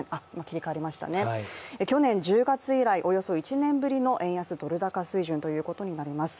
去年１０月以来、およそ１年ぶりの円安・ドル高水準ということになります。